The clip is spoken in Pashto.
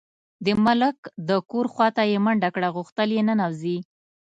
د ملک د کور خواته یې منډه کړه، غوښتل یې ننوځي.